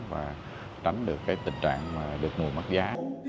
và tránh được cái tình trạng mà được nguồn mất giá